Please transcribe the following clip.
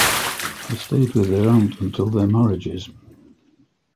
They stayed with their aunt until their marriages.